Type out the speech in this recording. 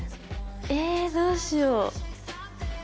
えどうしよう。